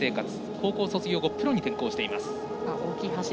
高校卒業後プロに転向しています。